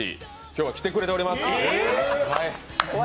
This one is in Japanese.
今日は来てくれております！